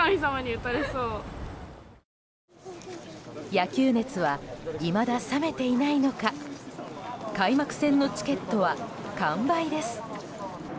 野球熱はいまだ冷めていないのか開幕戦のチケットは完売です。